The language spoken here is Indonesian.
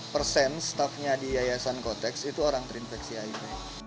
sembilan puluh persen staff nya di yayasan kotex itu orang terinfeksi hiv